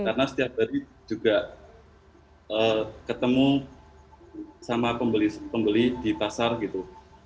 karena setiap hari juga ketemu sama pembeli di pasar gitu